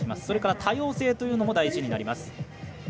それから、多様性というのも大事になります。